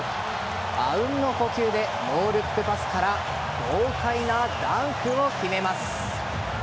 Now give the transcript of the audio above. あうんの呼吸でノールックパスから豪快なダンクを決めます。